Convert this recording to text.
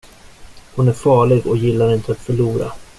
Hon är farlig och gillar inte att förlora.